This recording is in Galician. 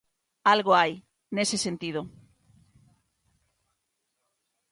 Algo hai, nese sentido.